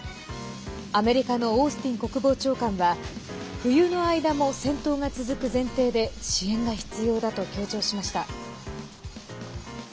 アメリカのオースティン国防長官は冬の間も戦闘が続く前提で支援が必要だと強調しました。